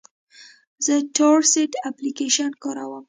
زه تورسټ اپلیکیشن کاروم.